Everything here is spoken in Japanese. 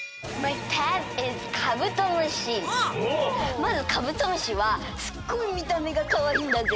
まずカブトムシはすっごいみためがかわいいんだぜ。